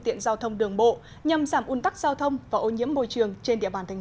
tiện giao thông đường bộ nhằm giảm un tắc giao thông và ô nhiễm môi trường trên địa bàn thành